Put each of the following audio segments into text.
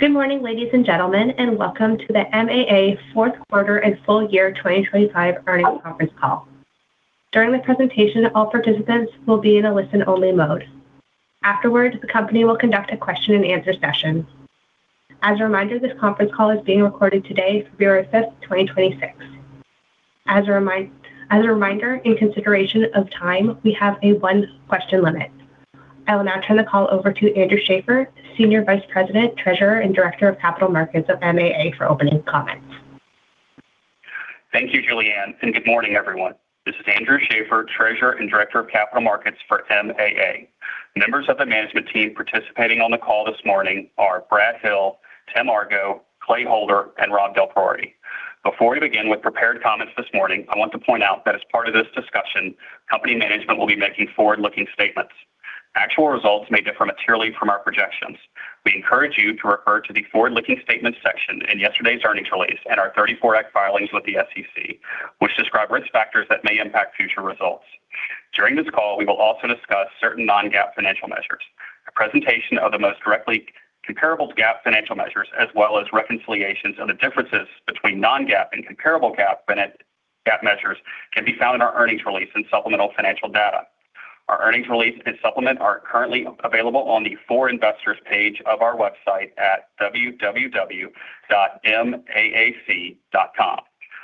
Good morning, ladies and gentlemen, and welcome to the MAA fourth quarter and full year 2025 earnings conference call. During the presentation, all participants will be in a listen-only mode. Afterwards, the company will conduct a question-and-answer session. As a reminder, this conference call is being recorded today for 05/05/2026. As a reminder, in consideration of time, we have a one-question limit. I will now turn the call over to Andrew Schaeffer, Senior Vice President, Treasurer, and Director of Capital Markets of MAA, for opening comments. Thank you, Julianne, and good morning, everyone. This is Andrew Schaeffer, Treasurer and Director of Capital Markets for MAA. Members of the management team participating on the call this morning are Brad Hill, Tim Argo, Clay Holder, and Rob DelPriore. Before we begin with prepared comments this morning, I want to point out that as part of this discussion, company management will be making forward-looking statements. Actual results may differ materially from our projections. We encourage you to refer to the forward-looking statements section in yesterday's earnings release and our 1934 Act filings with the SEC, which describe risk factors that may impact future results. During this call, we will also discuss certain non-GAAP financial measures. A presentation of the most directly comparable GAAP financial measures, as well as reconciliations of the differences between non-GAAP and comparable GAAP measures, can be found in our earnings release and supplemental financial data. Our earnings release and supplement are currently available on the For Investors page of our website at www.maac.com.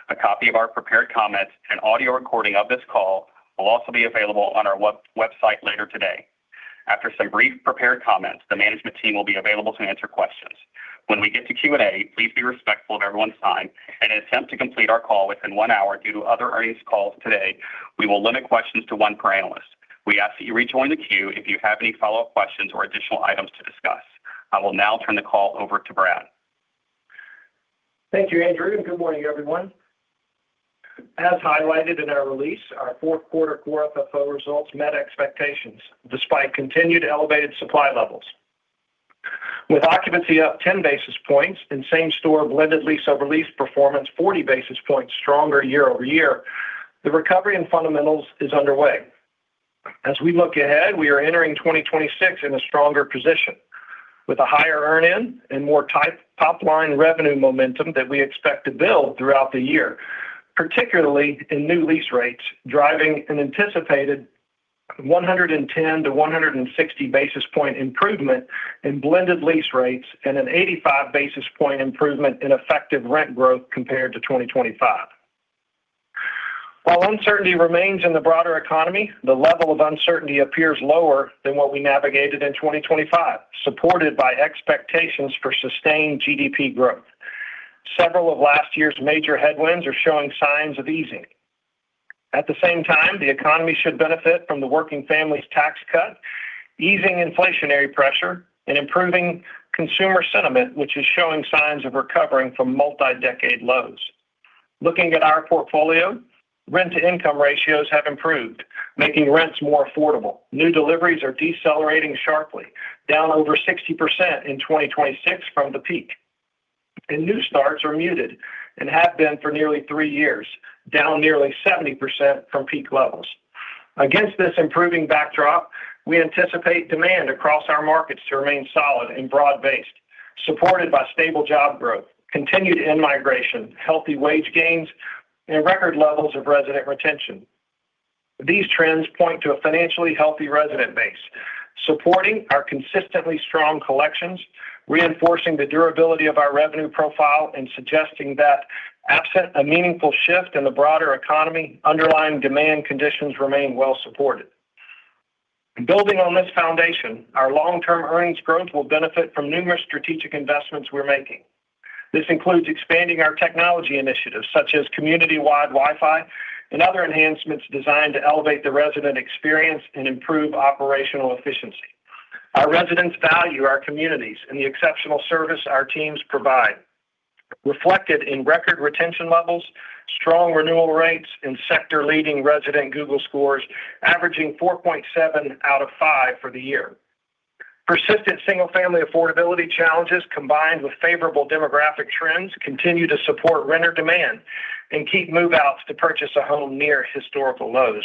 A copy of our prepared comments and audio recording of this call will also be available on our website later today. After some brief prepared comments, the management team will be available to answer questions. When we get to Q&A, please be respectful of everyone's time. In an attempt to complete our call within one hour due to other earnings calls today, we will limit questions to one per analyst. We ask that you rejoin the queue if you have any follow-up questions or additional items to discuss. I will now turn the call over to Brad. Thank you, Andrew, and good morning, everyone. As highlighted in our release, our fourth quarter Core FFO results met expectations despite continued elevated supply levels. With occupancy up 10 basis points and same-store blended lease-over-lease performance 40 basis points stronger year-over-year, the recovery in fundamentals is underway. As we look ahead, we are entering 2026 in a stronger position with a higher earn-in and more top-line revenue momentum that we expect to build throughout the year, particularly in new lease rates, driving an anticipated 110-160 basis point improvement in blended lease rates and an 85 basis point improvement in effective rent growth compared to 2025. While uncertainty remains in the broader economy, the level of uncertainty appears lower than what we navigated in 2025, supported by expectations for sustained GDP growth. Several of last year's major headwinds are showing signs of easing. At the same time, the economy should benefit from the working family's tax cut, easing inflationary pressure, and improving consumer sentiment, which is showing signs of recovering from multi-decade lows. Looking at our portfolio, rent-to-income ratios have improved, making rents more affordable. New deliveries are decelerating sharply, down over 60% in 2026 from the peak. New starts are muted and have been for nearly three years, down nearly 70% from peak levels. Against this improving backdrop, we anticipate demand across our markets to remain solid and broad-based, supported by stable job growth, continued immigration, healthy wage gains, and record levels of resident retention. These trends point to a financially healthy resident base, supporting our consistently strong collections, reinforcing the durability of our revenue profile, and suggesting that absent a meaningful shift in the broader economy, underlying demand conditions remain well-supported. Building on this foundation, our long-term earnings growth will benefit from numerous strategic investments we're making. This includes expanding our technology initiatives, such as community-wide Wi-Fi and other enhancements designed to elevate the resident experience and improve operational efficiency. Our residents value our communities and the exceptional service our teams provide, reflected in record retention levels, strong renewal rates, and sector-leading resident Google scores, averaging 4.7 out of five for the year. Persistent single-family affordability challenges, combined with favorable demographic trends, continue to support renter demand and keep move-outs to purchase a home near historical lows.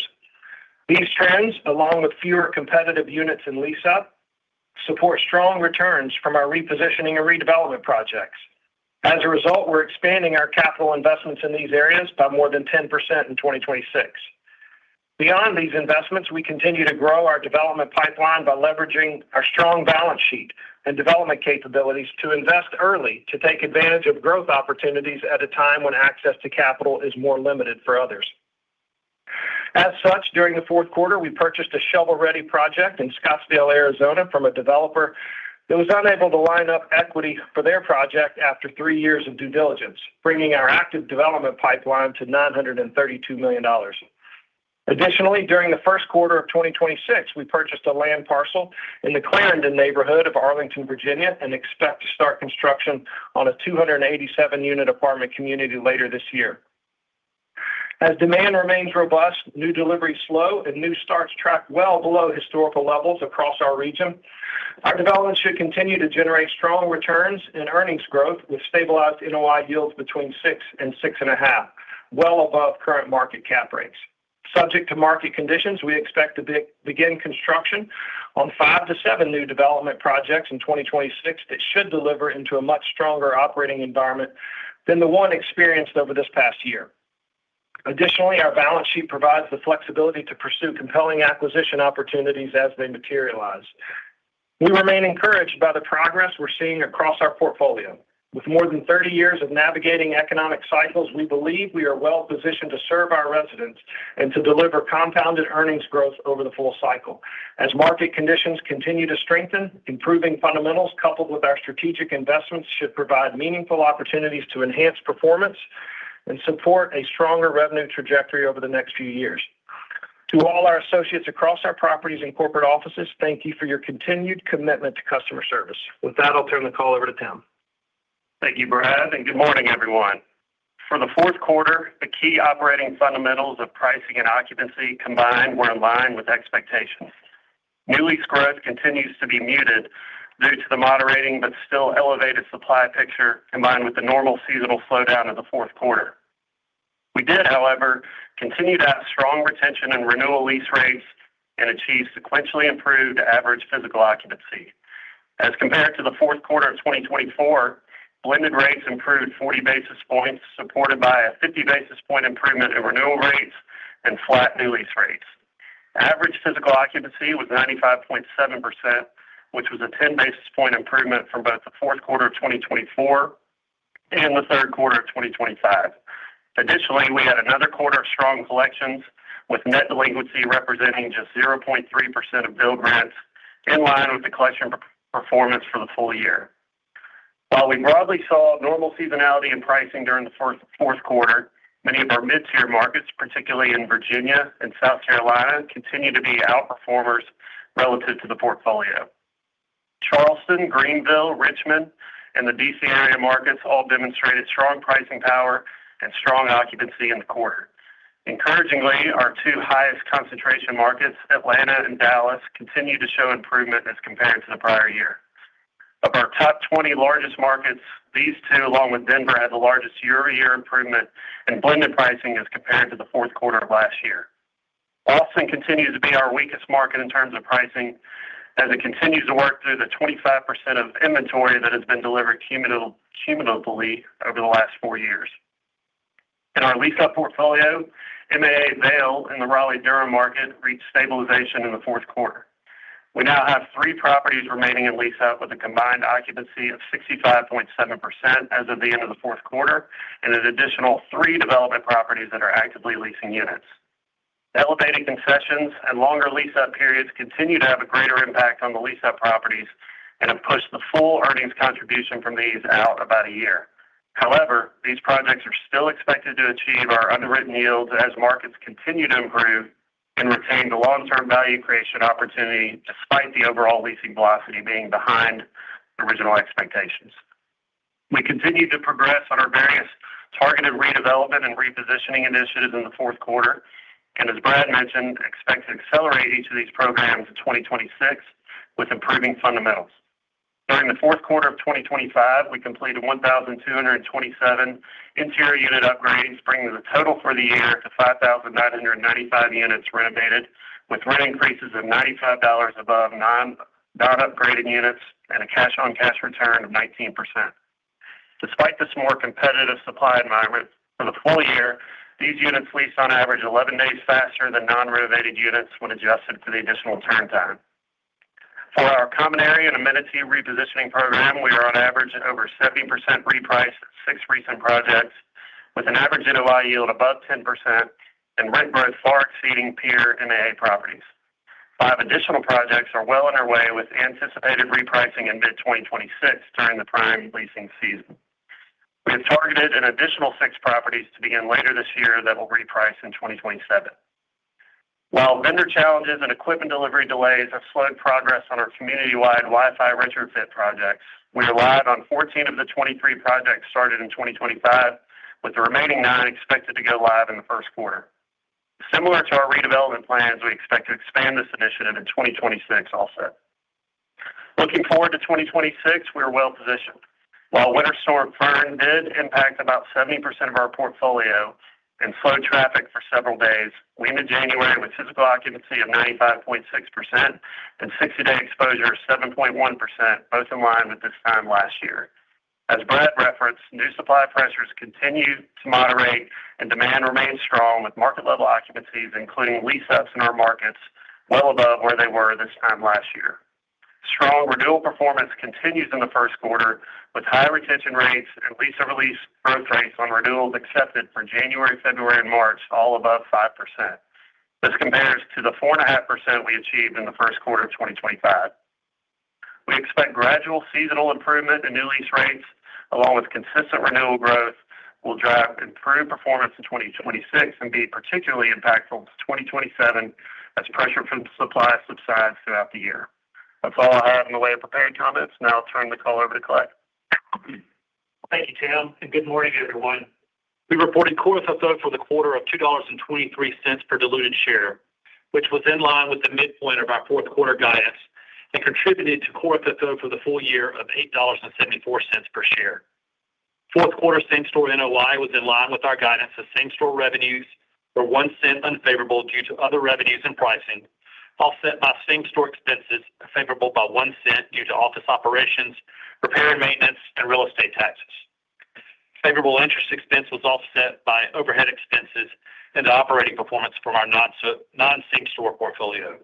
These trends, along with fewer competitive units in lease-up, support strong returns from our repositioning and redevelopment projects. As a result, we're expanding our capital investments in these areas by more than 10% in 2026. Beyond these investments, we continue to grow our development pipeline by leveraging our strong balance sheet and development capabilities to invest early to take advantage of growth opportunities at a time when access to capital is more limited for others. As such, during the fourth quarter, we purchased a shovel-ready project in Scottsdale, Arizona, from a developer that was unable to line up equity for their project after three years of due diligence, bringing our active development pipeline to $932 million. Additionally, during the first quarter of 2026, we purchased a land parcel in the Clarendon neighborhood of Arlington, Virginia, and expect to start construction on a 287 unit apartment community later this year. As demand remains robust, new deliveries slow, and new starts track well below historical levels across our region, our development should continue to generate strong returns and earnings growth with stabilized NOI yields between 6%-6.5%, well above current market cap rates. Subject to market conditions, we expect to begin construction on five to seven new development projects in 2026 that should deliver into a much stronger operating environment than the one experienced over this past year. Additionally, our balance sheet provides the flexibility to pursue compelling acquisition opportunities as they materialize. We remain encouraged by the progress we're seeing across our portfolio. With more than 30 years of navigating economic cycles, we believe we are well-positioned to serve our residents and to deliver compounded earnings growth over the full cycle. As market conditions continue to strengthen, improving fundamentals coupled with our strategic investments should provide meaningful opportunities to enhance performance and support a stronger revenue trajectory over the next few years. To all our associates across our properties and corporate offices, thank you for your continued commitment to customer service. With that, I'll turn the call over to Tim. Thank you, Brad, and good morning, everyone. For the fourth quarter, the key operating fundamentals of pricing and occupancy combined were in line with expectations. New lease growth continues to be muted due to the moderating but still elevated supply picture combined with the normal seasonal slowdown of the fourth quarter. We did, however, continue to have strong retention and renewal lease rates and achieve sequentially improved average physical occupancy. As compared to the fourth quarter of 2024, blended rates improved 40 basis points, supported by a 50 basis point improvement in renewal rates and flat new lease rates. Average physical occupancy was 95.7%, which was a 10 basis point improvement from both the fourth quarter of 2024 and the third quarter of 2025. Additionally, we had another quarter of strong collections with net delinquency representing just 0.3% of billings, in line with the collection performance for the full year. While we broadly saw normal seasonality in pricing during the fourth quarter, many of our mid-tier markets, particularly in Virginia and South Carolina, continue to be outperformers relative to the portfolio. Charleston, Greenville, Richmond, and the DC area markets all demonstrated strong pricing power and strong occupancy in the quarter. Encouragingly, our two highest concentration markets, Atlanta and Dallas, continue to show improvement as compared to the prior year. Of our top 20 largest markets, these two, along with Denver, had the largest year-over-year improvement in blended pricing as compared to the fourth quarter of last year. Austin continues to be our weakest market in terms of pricing as it continues to work through the 25% of inventory that has been delivered cumulatively over the last four years. In our lease-up portfolio, MAA Wade and the Raleigh-Durham market reached stabilization in the fourth quarter. We now have three properties remaining in lease-up with a combined occupancy of 65.7% as of the end of the fourth quarter and an additional three development properties that are actively leasing units. Elevated concessions and longer lease-up periods continue to have a greater impact on the lease-up properties and have pushed the full earnings contribution from these out about a year. However, these projects are still expected to achieve our underwritten yields as markets continue to improve and retain the long-term value creation opportunity despite the overall leasing velocity being behind original expectations. We continue to progress on our various targeted redevelopment and repositioning initiatives in the fourth quarter and, as Brad mentioned, expect to accelerate each of these programs in 2026 with improving fundamentals. During the fourth quarter of 2025, we completed 1,227 interior unit upgrades, bringing the total for the year to 5,995 units renovated, with rent increases of $95 above non-upgraded units and a cash-on-cash return of 19%. Despite this more competitive supply environment for the full year, these units lease on average 11 days faster than non-renovated units when adjusted to the additional turn time. For our common area and amenity repositioning program, we are on average over 70% repriced at six recent projects, with an average NOI yield above 10% and rent growth far exceeding peer MAA properties. Five additional projects are well underway with anticipated repricing in mid-2026 during the prime leasing season. We have targeted an additional six properties to begin later this year that will reprice in 2027. While vendor challenges and equipment delivery delays have slowed progress on our community-wide Wi-Fi retrofit projects, we are live on 14 of the 23 projects started in 2025, with the remaining nine expected to go live in the first quarter. Similar to our redevelopment plans, we expect to expand this initiative in 2026 all set. Looking forward to 2026, we are well-positioned. While Winter Storm Fern did impact about 70% of our portfolio and slowed traffic for several days, we ended January with physical occupancy of 95.6% and 60 day exposure of 7.1%, both in line with this time last year. As Brad referenced, new supply pressures continue to moderate, and demand remains strong with market-level occupancies, including lease-ups in our markets, well above where they were this time last year. Strong renewal performance continues in the first quarter, with high retention rates and lease-over-lease growth rates on renewals accepted for January, February, and March all above 5%. This compares to the 4.5% we achieved in the first quarter of 2025. We expect gradual seasonal improvement in new lease rates, along with consistent renewal growth, will drive improved performance in 2026 and be particularly impactful to 2027 as pressure from supply subsides throughout the year. That's all I have in the way of prepared comments. Now I'll turn the call over to Clay. Thank you, Tim, and good morning, everyone. We reported Core FFO for the quarter of $2.23 per diluted share, which was in line with the midpoint of our fourth quarter guidance and contributed to Core FFO for the full year of $8.74 per share. Fourth quarter same-store NOI was in line with our guidance as same-store revenues were one cent unfavorable due to other revenues and pricing, offset by same-store expenses favorable by one cent due to other operations, repair and maintenance, and real estate taxes. Favorable interest expense was offset by overhead expenses and the operating performance from our non-same-store portfolio.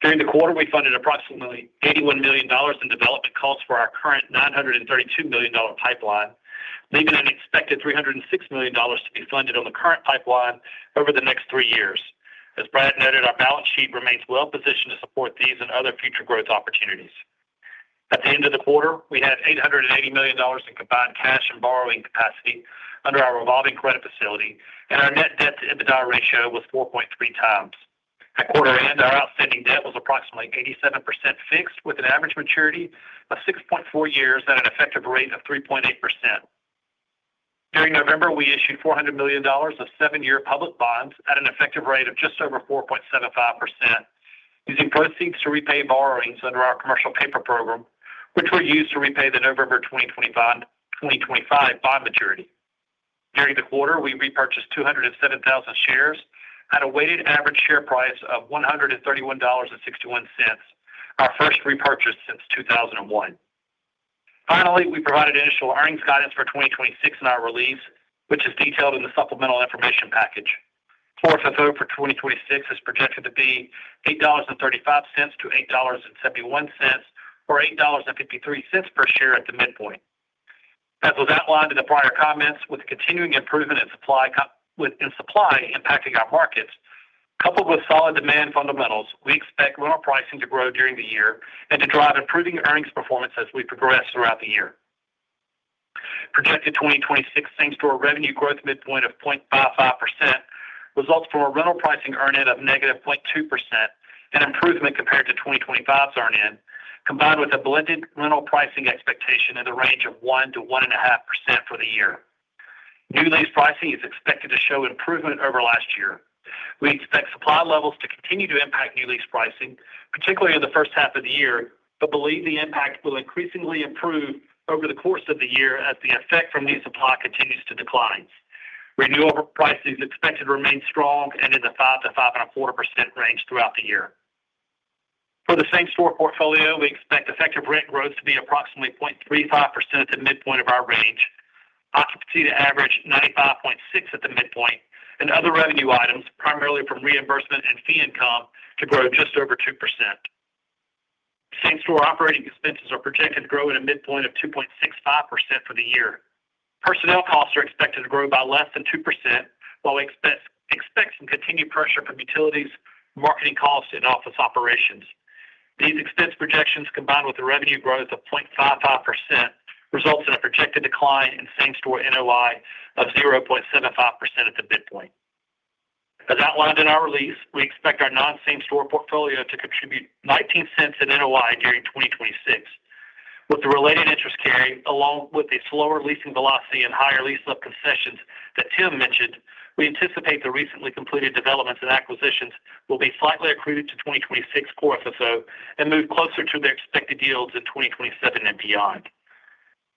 During the quarter, we funded approximately $81 million in development costs for our current $932 million pipeline, leaving an expected $306 million to be funded on the current pipeline over the next three years. As Brad noted, our balance sheet remains well-positioned to support these and other future growth opportunities. At the end of the quarter, we had $880 million in combined cash and borrowing capacity under our revolving credit facility, and our net debt-to-EBITDA ratio was 4.3x. At quarter end, our outstanding debt was approximately 87% fixed with an average maturity of 6.4 years at an effective rate of 3.8%. During November, we issued $400 million of seven-year public bonds at an effective rate of just over 4.75%, using proceeds to repay borrowings under our commercial paper program, which were used to repay the November 2025 bond maturity. During the quarter, we repurchased 207,000 shares, had a weighted average share price of $131.61, our first repurchase since 2001. Finally, we provided initial earnings guidance for 2026 in our release, which is detailed in the supplemental information package. Core FFO for 2026 is projected to be $8.35-$8.71 or $8.53 per share at the midpoint. As was outlined in the prior comments, with continuing improvement in supply impacting our markets, coupled with solid demand fundamentals, we expect rental pricing to grow during the year and to drive improving earnings performance as we progress throughout the year. Projected 2026 same-store revenue growth midpoint of 0.55% results from a rental pricing earn-in of -0.2% and improvement compared to 2025's earn-in, combined with a blended rental pricing expectation in the range of 1%-1.5% for the year. New lease pricing is expected to show improvement over last year. We expect supply levels to continue to impact new lease pricing, particularly in the first half of the year, but believe the impact will increasingly improve over the course of the year as the effect from new supply continues to decline. Renewal pricing is expected to remain strong and in the 5%-5.25% range throughout the year. For the Same-store portfolio, we expect effective rent growth to be approximately 0.35% at the midpoint of our range, occupancy to average 95.6% at the midpoint, and other revenue items, primarily from reimbursement and fee income, to grow just over 2%. Same-store operating expenses are projected to grow at a midpoint of 2.65% for the year. Personnel costs are expected to grow by less than 2%, while we expect some continued pressure from utilities, marketing costs, and office operations. These expense projections, combined with the revenue growth of 0.55%, results in a projected decline in Same-store NOI of 0.75% at the midpoint. As outlined in our release, we expect our non-Same-store portfolio to contribute $0.19 in NOI during 2026. With the related interest carry, along with the slower leasing velocity and higher lease-up concessions that Tim mentioned, we anticipate the recently completed developments and acquisitions will be slightly accrued to 2026 core FFO and move closer to their expected yields in 2027 and beyond.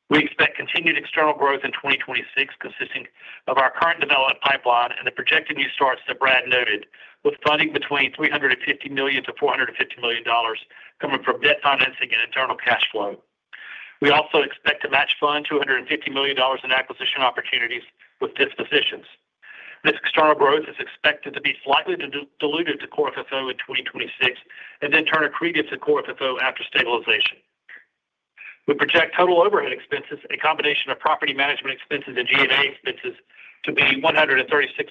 We expect continued external growth in 2026 consisting of our current development pipeline and the projected new starts that Brad noted, with funding between $350 million-$450 million coming from debt financing and internal cash flow. We also expect to match fund $250 million in acquisition opportunities with dispositions. This external growth is expected to be slightly diluted to core FFO in 2026 and then turn accretive to core FFO after stabilization. We project total overhead expenses, a combination of property management expenses and G&A expenses, to be $136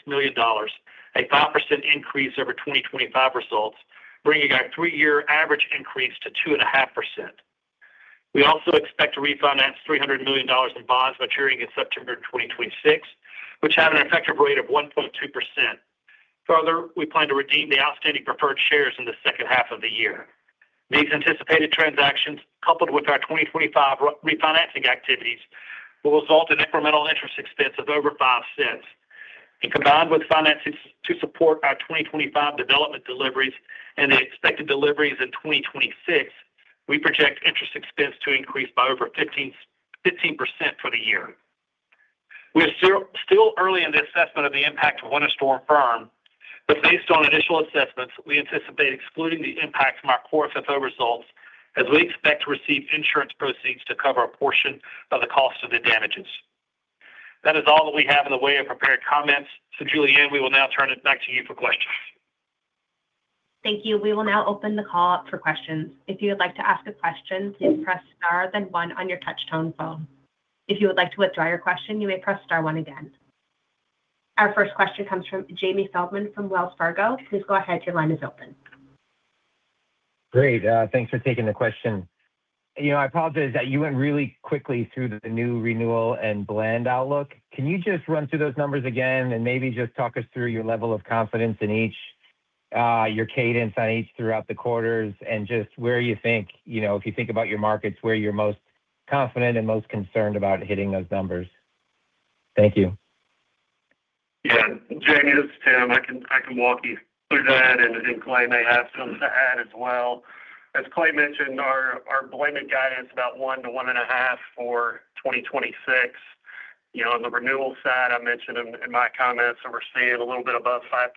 million, a 5% increase over 2025 results, bringing our three year average increase to 2.5%. We also expect to refinance $300 million in bonds maturing in September 2026, which have an effective rate of 1.2%. Further, we plan to redeem the outstanding preferred shares in the second half of the year. These anticipated transactions, coupled with our 2025 refinancing activities, will result in incremental interest expense of over $0.05. Combined with financing to support our 2025 development deliveries and the expected deliveries in 2026, we project interest expense to increase by over 15% for the year. We are still early in the assessment of the impact of Winter Storm Fern, but based on initial assessments, we anticipate excluding the impact from our Core FFO results as we expect to receive insurance proceeds to cover a portion of the cost of the damages. That is all that we have in the way of prepared comments. So, Julianne, we will now turn it back to you for questions. Thank you. We will now open the call up for questions. If you would like to ask a question, please press star then one on your touch tone phone. If you would like to withdraw your question, you may press star one again. Our first question comes from Jamie Feldman from Wells Fargo. Please go ahead. Your line is open. Great. Thanks for taking the question. I apologize that you went really quickly through the new renewal and blended outlook. Can you just run through those numbers again and maybe just talk us through your level of confidence in each, your cadence on each throughout the quarters, and just where you think, if you think about your markets, where you're most confident and most concerned about hitting those numbers? Thank you. Yeah. Jamie, this is Tim. I can walk you through that and Clay may have some to add as well. As Clay mentioned, our blended guidance is about 1%-1.5% for 2026. On the renewal side, I mentioned in my comments that we're seeing a little bit above 5%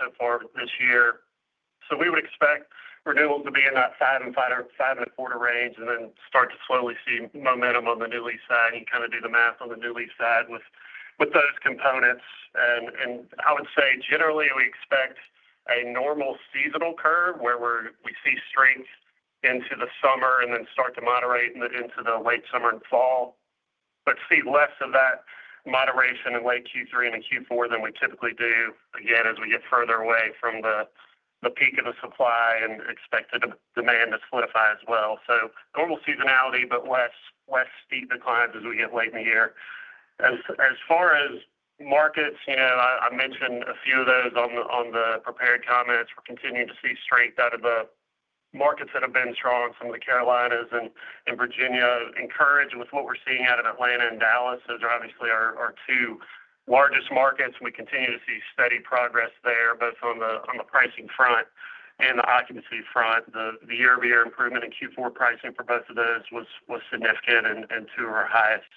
so far this year. So we would expect renewals to be in that 5.25% range and then start to slowly see momentum on the new lease side. You can kind of do the math on the new lease side with those components. I would say, generally, we expect a normal seasonal curve where we see strength into the summer and then start to moderate into the late summer and fall, but see less of that moderation in late Q3 and in Q4 than we typically do, again, as we get further away from the peak of the supply and expect the demand to solidify as well. So normal seasonality, but less steep declines as we get late in the year. As far as markets, I mentioned a few of those on the prepared comments. We're continuing to see strength out of the markets that have been strong, some of the Carolinas and Virginia, encouraged with what we're seeing out of Atlanta and Dallas. Those are obviously our two largest markets. We continue to see steady progress there, both on the pricing front and the occupancy front. The year-over-year improvement in Q4 pricing for both of those was significant and two of our highest.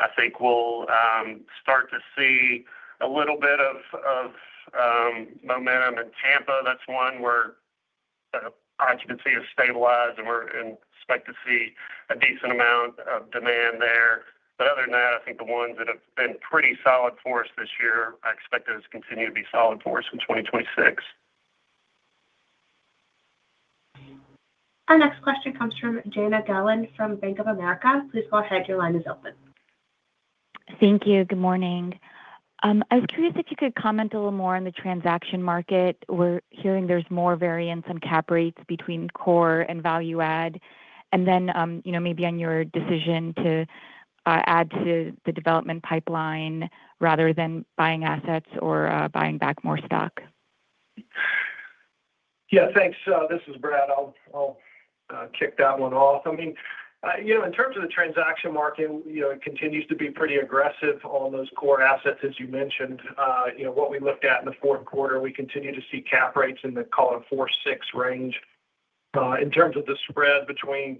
I think we'll start to see a little bit of momentum in Tampa. That's one where occupancy has stabilized, and we're expecting to see a decent amount of demand there. But other than that, I think the ones that have been pretty solid for us this year, I expect those to continue to be solid for us in 2026. Our next question comes from Jana Galan from Bank of America. Please go ahead. Your line is open. Thank you. Good morning. I was curious if you could comment a little more on the transaction market. We're hearing there's more variance on cap rates between core and value add, and then maybe on your decision to add to the development pipeline rather than buying assets or buying back more stock. Yeah. Thanks. This is Brad. I'll kick that one off. I mean, in terms of the transaction market, it continues to be pretty aggressive on those core assets, as you mentioned. What we looked at in the fourth quarter, we continue to see cap rates in the, call it, a four, six range. In terms of the spread between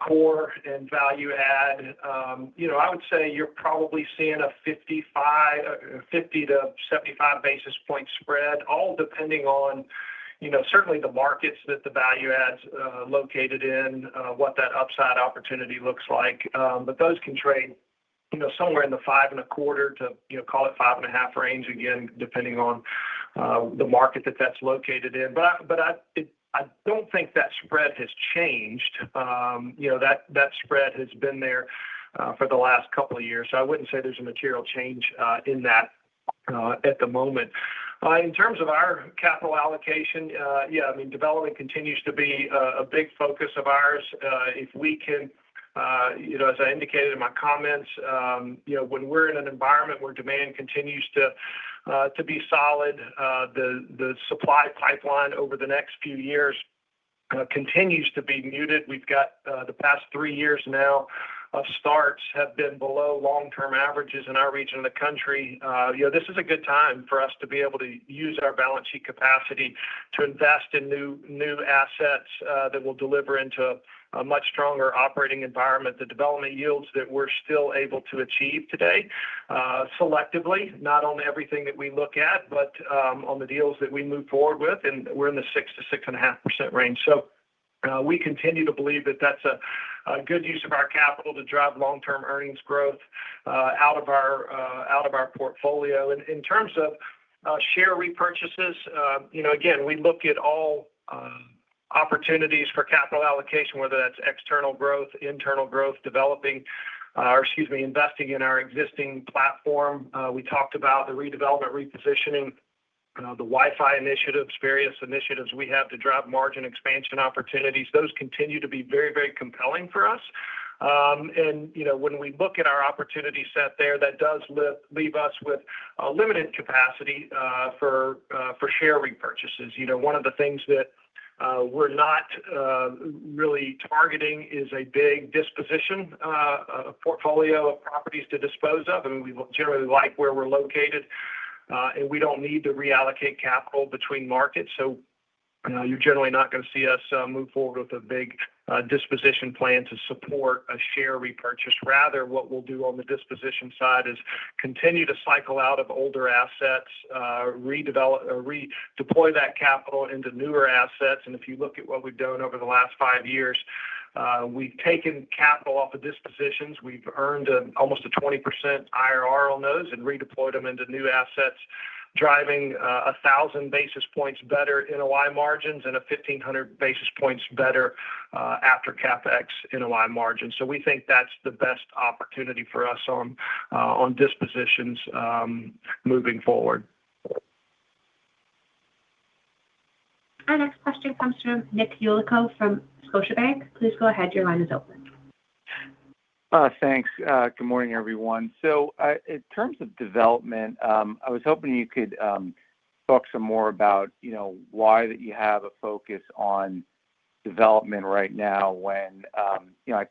core and value add, I would say you're probably seeing a 50-75 basis point spread, all depending on, certainly, the markets that the value add's located in, what that upside opportunity looks like. But those can trade somewhere in the 5.25 to, call it, 5.5 range, again, depending on the market that that's located in. But I don't think that spread has changed. That spread has been there for the last couple of years, so I wouldn't say there's a material change in that at the moment. In terms of our capital allocation, yeah, I mean, development continues to be a big focus of ours. If we can, as I indicated in my comments, when we're in an environment where demand continues to be solid, the supply pipeline over the next few years continues to be muted. We've got the past three years now of starts have been below long-term averages in our region of the country. This is a good time for us to be able to use our balance sheet capacity to invest in new assets that will deliver into a much stronger operating environment, the development yields that we're still able to achieve today selectively, not on everything that we look at, but on the deals that we move forward with. And we're in the 6%-6.5% range. So we continue to believe that that's a good use of our capital to drive long-term earnings growth out of our portfolio. And in terms of share repurchases, again, we look at all opportunities for capital allocation, whether that's external growth, internal growth, developing, or excuse me, investing in our existing platform. We talked about the redevelopment, repositioning, the Wi-Fi initiatives, various initiatives we have to drive margin expansion opportunities. Those continue to be very, very compelling for us. And when we look at our opportunity set there, that does leave us with limited capacity for share repurchases. One of the things that we're not really targeting is a big disposition portfolio of properties to dispose of. I mean, we generally like where we're located, and we don't need to reallocate capital between markets. So you're generally not going to see us move forward with a big disposition plan to support a share repurchase. Rather, what we'll do on the disposition side is continue to cycle out of older assets, redeploy that capital into newer assets. And if you look at what we've done over the last five years, we've taken capital off of dispositions. We've earned almost a 20% IRR on those and redeployed them into new assets, driving 1,000 basis points better NOI margins and a 1,500 basis points better after-CapEx NOI margins. So we think that's the best opportunity for us on dispositions moving forward. Our next question comes from Nick Yulico from Scotiabank. Please go ahead. Your line is open. Thanks. Good morning, everyone. So in terms of development, I was hoping you could talk some more about why that you have a focus on development right now when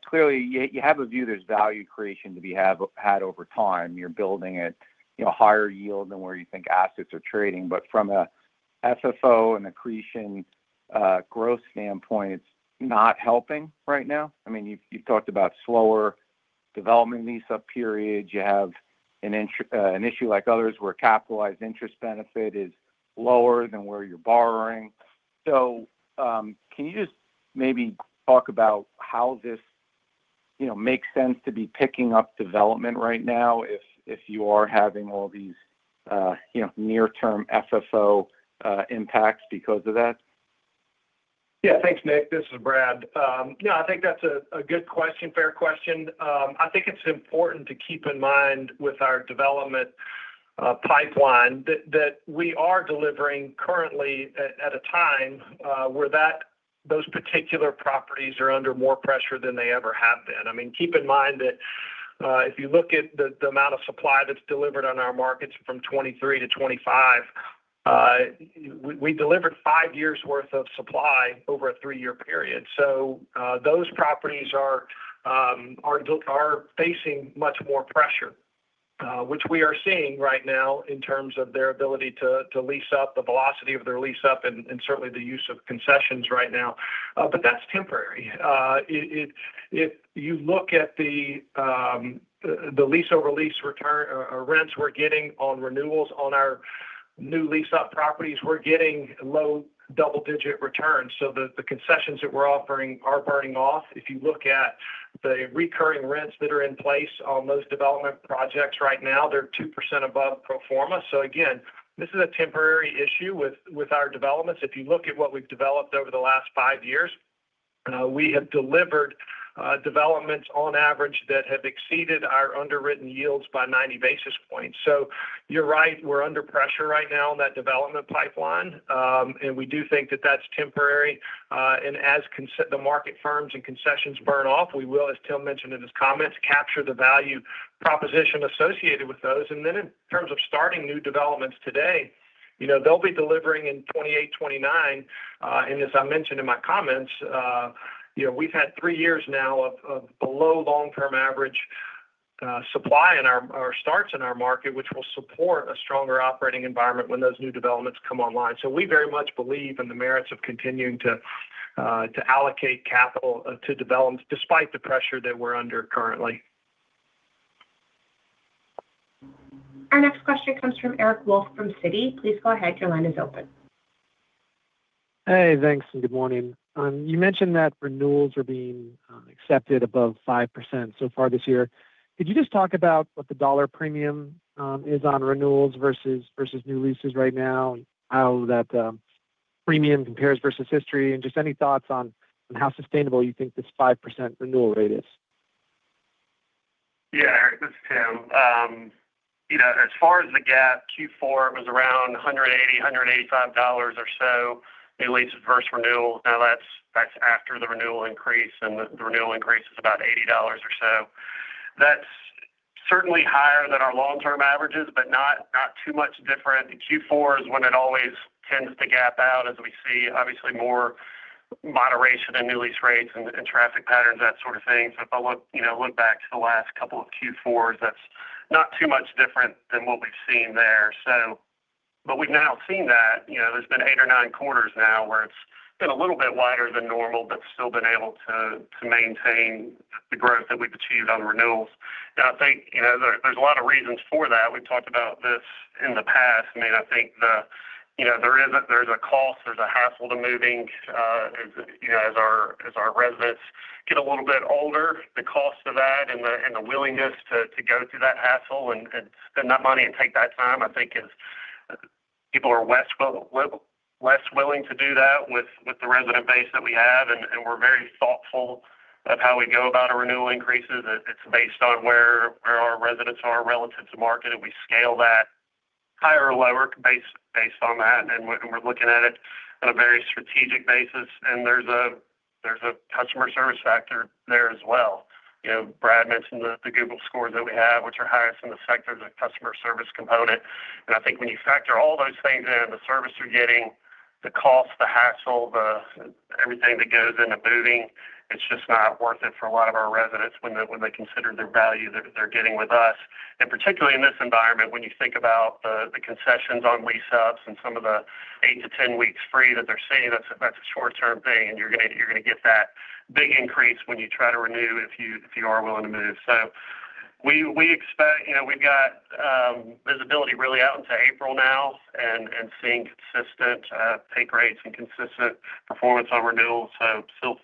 clearly, you have a view there's value creation to be had over time. You're building a higher yield than where you think assets are trading. But from an FFO and accretion growth standpoint, it's not helping right now. I mean, you've talked about slower development lease-up periods. You have an issue like others where capitalized interest benefit is lower than where you're borrowing. So can you just maybe talk about how this makes sense to be picking up development right now if you are having all these near-term FFO impacts because of that? Yeah. Thanks, Nick. This is Brad. Yeah, I think that's a good question, fair question. I think it's important to keep in mind with our development pipeline that we are delivering currently at a time where those particular properties are under more pressure than they ever have been. I mean, keep in mind that if you look at the amount of supply that's delivered on our markets from 2023 to 2025, we delivered five years' worth of supply over a three year period. So those properties are facing much more pressure, which we are seeing right now in terms of their ability to lease up, the velocity of their lease up, and certainly the use of concessions right now. But that's temporary. If you look at the lease-over-lease rents we're getting on renewals on our new lease-up properties, we're getting low double-digit returns. So the concessions that we're offering are burning off. If you look at the recurring rents that are in place on those development projects right now, they're 2% above pro forma. So again, this is a temporary issue with our developments. If you look at what we've developed over the last five years, we have delivered developments on average that have exceeded our underwritten yields by 90 basis points. So you're right. We're under pressure right now on that development pipeline. And we do think that that's temporary. And as the market firms and concessions burn off, we will, as Tim mentioned in his comments, capture the value proposition associated with those. And then in terms of starting new developments today, they'll be delivering in 2028, 2029. As I mentioned in my comments, we've had three years now of below long-term average supply in our starts in our market, which will support a stronger operating environment when those new developments come online. We very much believe in the merits of continuing to allocate capital to developments despite the pressure that we're under currently. Our next question comes from Eric Wolfe from Citi. Please go ahead. Your line is open. Hey. Thanks and good morning. You mentioned that renewals are being accepted above 5% so far this year. Could you just talk about what the dollar premium is on renewals versus new leases right now, how that premium compares versus history, and just any thoughts on how sustainable you think this 5% renewal rate is? Yeah. This is Tim. As far as the gap, Q4, it was around $180-$185 or so new leases versus renewals. Now, that's after the renewal increase, and the renewal increase is about $80 or so. That's certainly higher than our long-term averages, but not too much different. Q4 is when it always tends to gap out as we see, obviously, more moderation in new lease rates and traffic patterns, that sort of thing. So if I look back to the last couple of Q4s, that's not too much different than what we've seen there. But we've now seen that. There's been eight or nine quarters now where it's been a little bit wider than normal, but still been able to maintain the growth that we've achieved on renewals. Now, I think there's a lot of reasons for that. We've talked about this in the past. I mean, I think there is a cost. There's a hassle to moving as our residents get a little bit older. The cost of that and the willingness to go through that hassle and spend that money and take that time, I think, is people are less willing to do that with the resident base that we have. And we're very thoughtful of how we go about our renewal increases. It's based on where our residents are relative to market, and we scale that higher or lower based on that. And we're looking at it on a very strategic basis. And there's a customer service factor there as well. Brad mentioned the Google scores that we have, which are highest in the sector as a customer service component. I think when you factor all those things in, the service you're getting, the cost, the hassle, everything that goes into moving, it's just not worth it for a lot of our residents when they consider the value they're getting with us. And particularly in this environment, when you think about the concessions on lease-ups and some of the eight to 10 weeks free that they're seeing, that's a short-term thing. And you're going to get that big increase when you try to renew if you are willing to move. So we expect we've got visibility really out into April now and seeing consistent pay rates and consistent performance on renewals. So still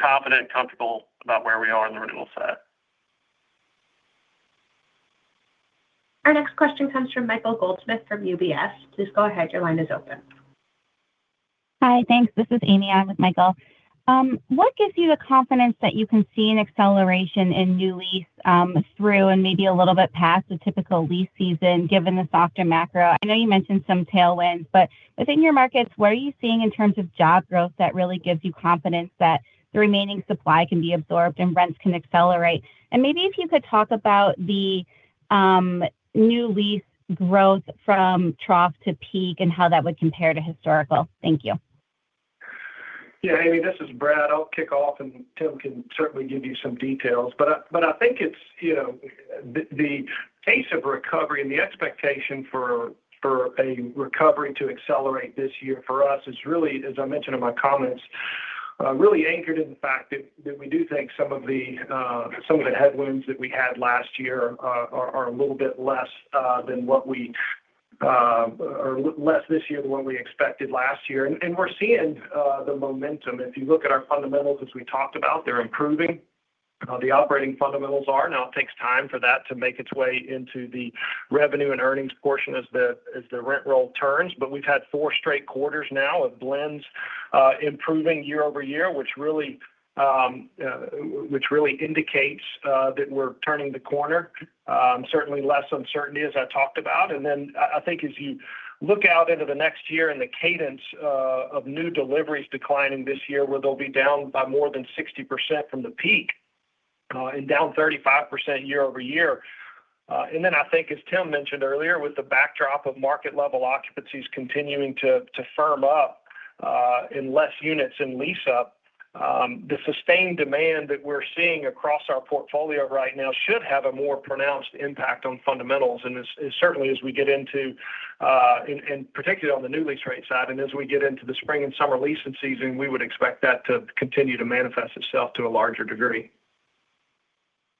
confident, comfortable about where we are in the renewal side. Our next question comes from Michael Goldsmith from UBS. Please go ahead. Your line is open. Hi. Thanks. This is Amy. I'm with Michael. What gives you the confidence that you can see an acceleration in new lease through and maybe a little bit past the typical lease season given the softer macro? I know you mentioned some tailwinds, but within your markets, what are you seeing in terms of job growth that really gives you confidence that the remaining supply can be absorbed and rents can accelerate? Maybe if you could talk about the new lease growth from trough to peak and how that would compare to historical. Thank you. Yeah. Amy, this is Brad. I'll kick off, and Tim can certainly give you some details. But I think it's the pace of recovery and the expectation for a recovery to accelerate this year for us is really, as I mentioned in my comments, really anchored in the fact that we do think some of the headwinds that we had last year are a little bit less than what we or less this year than what we expected last year. And we're seeing the momentum. If you look at our fundamentals, as we talked about, they're improving. The operating fundamentals are. Now, it takes time for that to make its way into the revenue and earnings portion as the rent roll turns. But we've had four straight quarters now of blends improving year-over-year, which really indicates that we're turning the corner. Certainly, less uncertainty, as I talked about. And then I think as you look out into the next year and the cadence of new deliveries declining this year where they'll be down by more than 60% from the peak and down 35% year-over-year. And then I think, as Tim mentioned earlier, with the backdrop of market-level occupancies continuing to firm up in less units and lease up, the sustained demand that we're seeing across our portfolio right now should have a more pronounced impact on fundamentals. And certainly, as we get into and particularly on the new lease rate side, and as we get into the spring and summer leasing season, we would expect that to continue to manifest itself to a larger degree.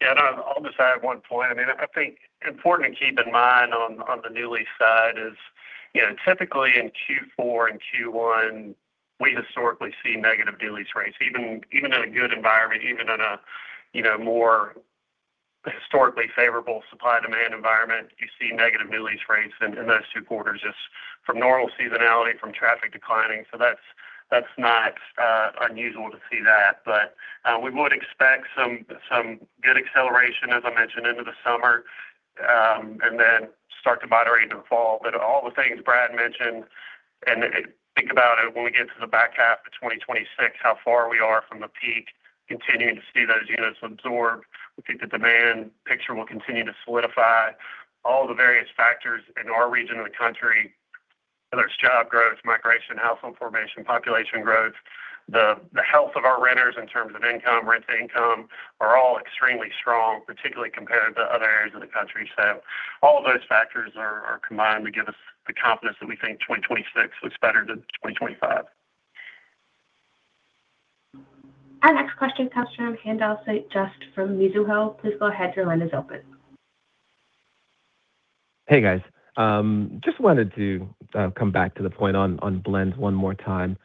Yeah. And I'll just add one point. I mean, I think important to keep in mind on the new lease side is typically in Q4 and Q1, we historically see negative new lease rates. Even in a good environment, even in a more historically favorable supply-demand environment, you see negative new lease rates in those two quarters just from normal seasonality, from traffic declining. So that's not unusual to see that. But we would expect some good acceleration, as I mentioned, into the summer and then start to moderate into the fall. But all the things Brad mentioned and think about it when we get to the back half of 2026, how far we are from the peak, continuing to see those units absorbed. We think the demand picture will continue to solidify. All the various factors in our region of the country, whether it's job growth, migration, household formation, population growth, the health of our renters in terms of income, rent to income, are all extremely strong, particularly compared to other areas of the country. So all of those factors are combined to give us the confidence that we think 2026 looks better than 2025. Our next question comes from Haendel St. Juste from Mizuho. Please go ahead. Your line is open. Hey, guys. Just wanted to come back to the point on blends one more time.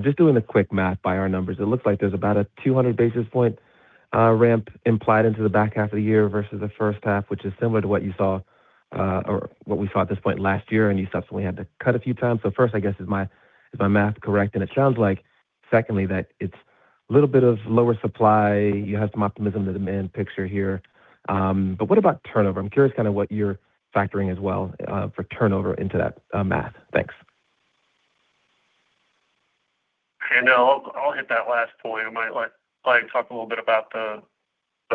Just doing a quick math by our numbers, it looks like there's about a 200 basis point ramp implied into the back half of the year versus the first half, which is similar to what you saw or what we saw at this point last year, and you subsequently had to cut a few times. So first, I guess, is my math correct? And it sounds like, secondly, that it's a little bit of lower supply. You have some optimism in the demand picture here. But what about turnover? I'm curious kind of what you're factoring as well for turnover into that math. Thanks. Okay. No, I'll hit that last point. I might talk a little bit about the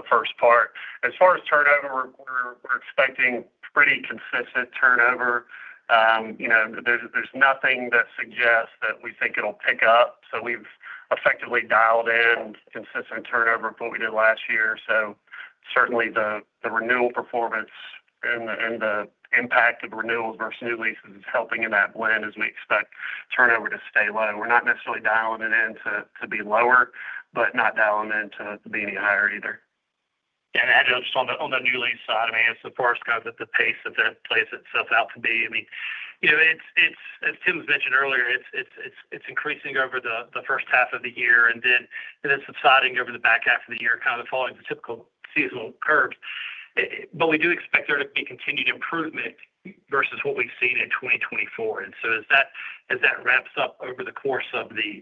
first part. As far as turnover, we're expecting pretty consistent turnover. There's nothing that suggests that we think it'll pick up. So we've effectively dialed in consistent turnover with what we did last year. So certainly, the renewal performance and the impact of renewals versus new leases is helping in that blend as we expect turnover to stay low. We're not necessarily dialing it in to be lower, but not dialing in to be any higher either. Yeah. And Haendel, just on the new lease side, I mean, as far as kind of the pace that that plays itself out to be, I mean, as Tim's mentioned earlier, it's increasing over the first half of the year and then subsiding over the back half of the year, kind of following the typical seasonal curves. But we do expect there to be continued improvement versus what we've seen in 2024. And so as that wraps up over the course of the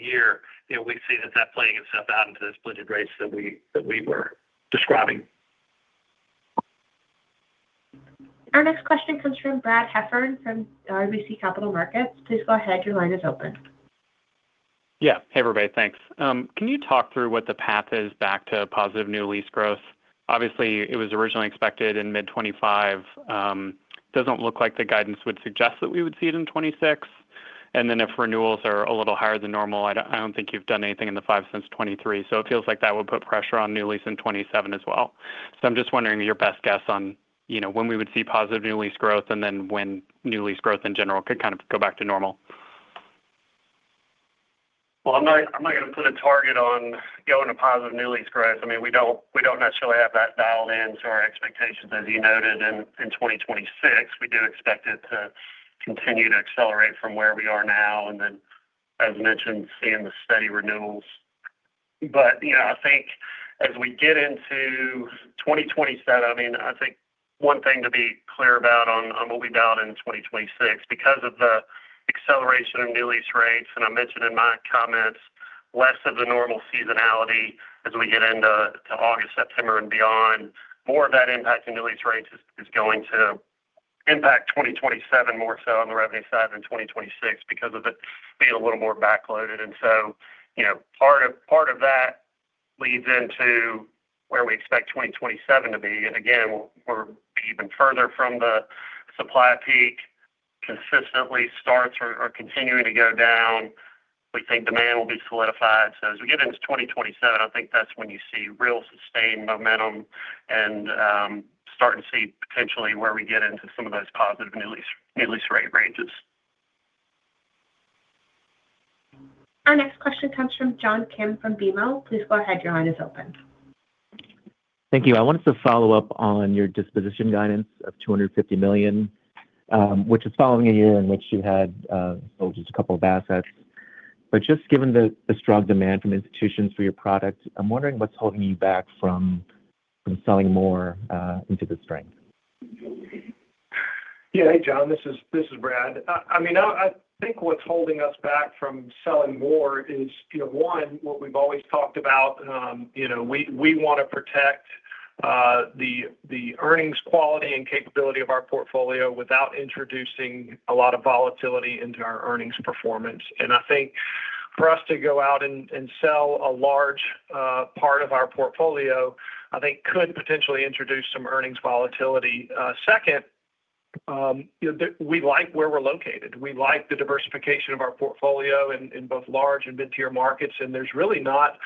year, we see that that playing itself out into those blended rates that we were describing. Our next question comes from Brad Heffern from RBC Capital Markets. Please go ahead. Your line is open. Yeah. Hey, everybody. Thanks. Can you talk through what the path is back to positive new lease growth? Obviously, it was originally expected in mid 2025. Doesn't look like the guidance would suggest that we would see it in 2026. And then if renewals are a little higher than normal, I don't think you've done anything in the five since 2023. So it feels like that would put pressure on new lease in 2027 as well. So I'm just wondering your best guess on when we would see positive new lease growth and then when new lease growth in general could kind of go back to normal. Well, I'm not going to put a target on going to positive new lease growth. I mean, we don't necessarily have that dialed into our expectations, as you noted, in 2026. We do expect it to continue to accelerate from where we are now and then, as mentioned, seeing the steady renewals. But I think as we get into 2027, I mean, I think one thing to be clear about on what we dialed in 2026, because of the acceleration of new lease rates, and I mentioned in my comments, less of the normal seasonality as we get into August, September, and beyond, more of that impacting new lease rates is going to impact 2027 more so on the revenue side than 2026 because of it being a little more backloaded. And so part of that leads into where we expect 2027 to be. Again, we'll be even further from the supply peak. Consistently starts or continuing to go down, we think demand will be solidified. So as we get into 2027, I think that's when you see real sustained momentum and start to see potentially where we get into some of those positive new lease rate ranges. Our next question comes from John Kim from BMO. Please go ahead. Your line is open. Thank you. I wanted to follow up on your disposition guidance of $250 million, which is following a year in which you had sold just a couple of assets. But just given the strong demand from institutions for your product, I'm wondering what's holding you back from selling more into the strength? Yeah. Hey, John. This is Brad. I mean, I think what's holding us back from selling more is, one, what we've always talked about. We want to protect the earnings quality and capability of our portfolio without introducing a lot of volatility into our earnings performance. And I think for us to go out and sell a large part of our portfolio, I think, could potentially introduce some earnings volatility. Second, we like where we're located. We like the diversification of our portfolio in both large and mid-tier markets. And there's really not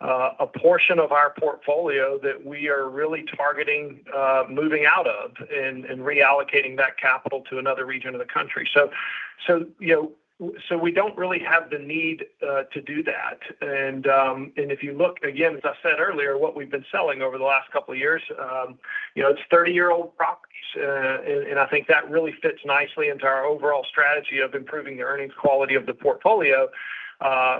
a portion of our portfolio that we are really targeting moving out of and reallocating that capital to another region of the country. So we don't really have the need to do that. And if you look, again, as I said earlier, what we've been selling over the last couple of years, it's 30 year-old properties. I think that really fits nicely into our overall strategy of improving the earnings quality of the portfolio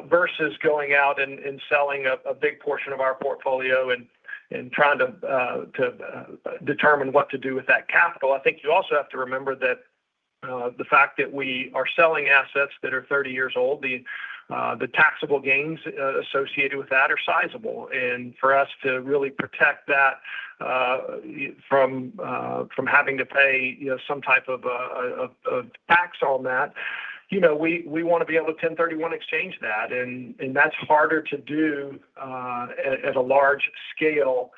versus going out and selling a big portion of our portfolio and trying to determine what to do with that capital. I think you also have to remember that the fact that we are selling assets that are 30 years old, the taxable gains associated with that are sizable. For us to really protect that from having to pay some type of tax on that, we want to be able to 1031 exchange that. That's harder to do at a large scale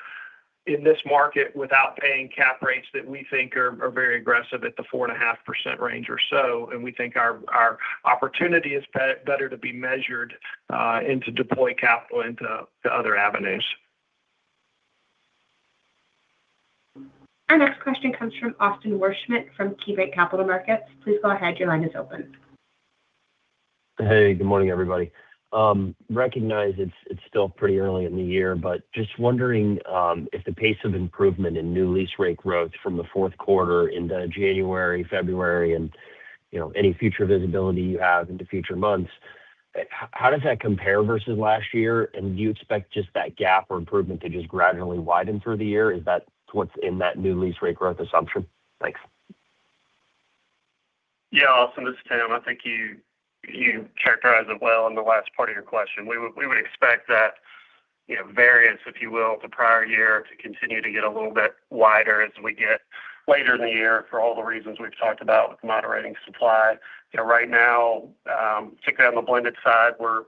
in this market without paying cap rates that we think are very aggressive at the 4.5% range or so. We think our opportunity is better to be measured and to deploy capital into other avenues. Our next question comes from Austin Wurschmidt from KeyBanc Capital Markets. Please go ahead. Your line is open. Hey. Good morning, everybody. Recognize it's still pretty early in the year, but just wondering if the pace of improvement in new lease rate growth from the fourth quarter into January, February, and any future visibility you have into future months, how does that compare versus last year? Do you expect just that gap or improvement to just gradually widen through the year? Is that what's in that new lease rate growth assumption? Thanks. Yeah. Awesome. This is Tim. I think you characterized it well in the last part of your question. We would expect that variance, if you will, to prior year to continue to get a little bit wider as we get later in the year for all the reasons we've talked about with moderating supply. Right now, particularly on the blended side, we're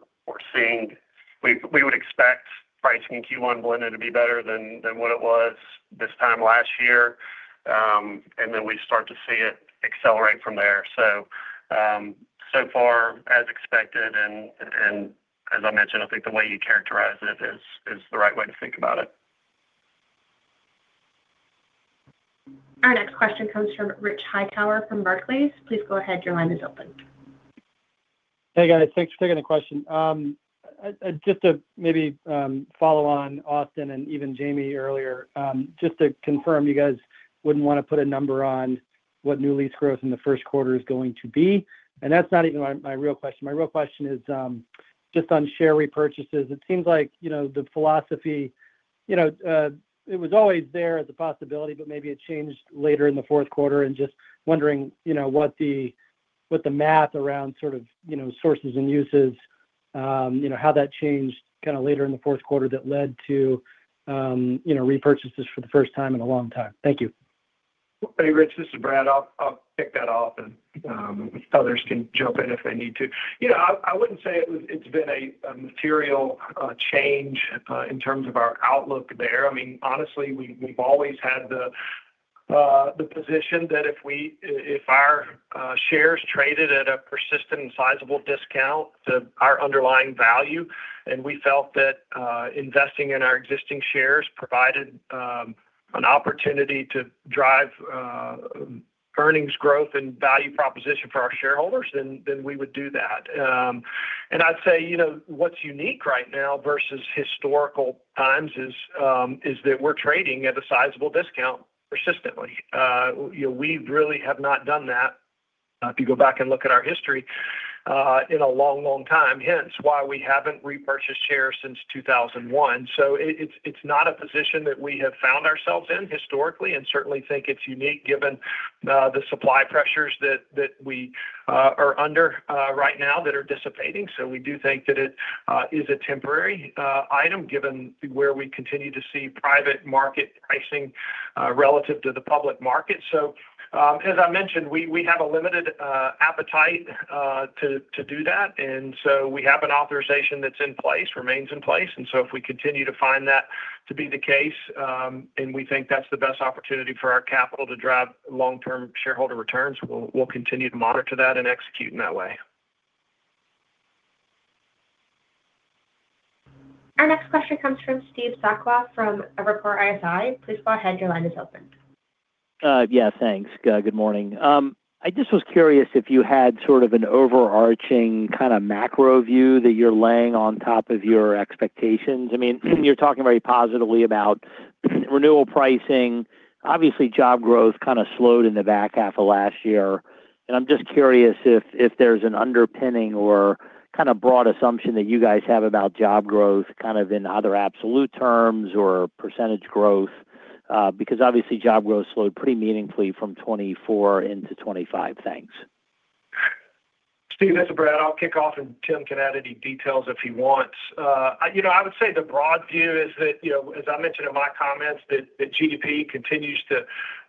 seeing we would expect pricing in Q1 blended to be better than what it was this time last year. And then we start to see it accelerate from there. So far, as expected. And as I mentioned, I think the way you characterize it is the right way to think about it. Our next question comes from Rich Hightower from Barclays. Please go ahead. Your line is open. Hey, guys. Thanks for taking the question. Just to maybe follow on Austin and even Jamie earlier, just to confirm, you guys wouldn't want to put a number on what new lease growth in the first quarter is going to be. And that's not even my real question. My real question is just on share repurchases. It seems like the philosophy, it was always there as a possibility, but maybe it changed later in the fourth quarter. And just wondering what the math around sort of sources and uses, how that changed kind of later in the fourth quarter that led to repurchases for the first time in a long time. Thank you. Hey, Rich. This is Brad. I'll pick that off, and others can jump in if they need to. I wouldn't say it's been a material change in terms of our outlook there. I mean, honestly, we've always had the position that if our shares traded at a persistent and sizable discount to our underlying value, and we felt that investing in our existing shares provided an opportunity to drive earnings growth and value proposition for our shareholders, then we would do that. And I'd say what's unique right now versus historical times is that we're trading at a sizable discount persistently. We really have not done that, if you go back and look at our history, in a long, long time, hence why we haven't repurchased shares since 2001. So it's not a position that we have found ourselves in historically and certainly think it's unique given the supply pressures that we are under right now that are dissipating. So we do think that it is a temporary item given where we continue to see private market pricing relative to the public market. So as I mentioned, we have a limited appetite to do that. And so we have an authorization that's in place, remains in place. And so if we continue to find that to be the case, and we think that's the best opportunity for our capital to drive long-term shareholder returns, we'll continue to monitor that and execute in that way. Our next question comes from Steve Sakwa from Evercore ISI. Please go ahead. Your line is open. Yeah. Thanks. Good morning. I just was curious if you had sort of an overarching kind of macro view that you're laying on top of your expectations. I mean, you're talking very positively about renewal pricing. Obviously, job growth kind of slowed in the back half of last year. And I'm just curious if there's an underpinning or kind of broad assumption that you guys have about job growth kind of in either absolute terms or percentage growth because obviously, job growth slowed pretty meaningfully from 2024 into 2025. Thanks. Steve, this is Brad. I'll kick off, and Tim can add any details if he wants. I would say the broad view is that, as I mentioned in my comments, that GDP continues to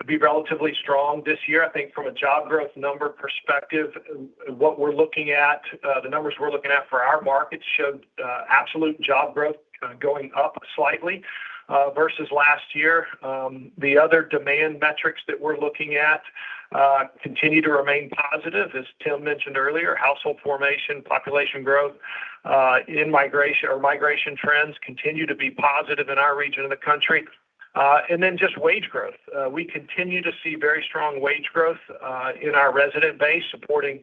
be relatively strong this year. I think from a job growth number perspective, what we're looking at, the numbers we're looking at for our markets showed absolute job growth going up slightly versus last year. The other demand metrics that we're looking at continue to remain positive, as Tim mentioned earlier. Household formation, population growth, and migration trends continue to be positive in our region of the country. And then just wage growth. We continue to see very strong wage growth in our resident base supporting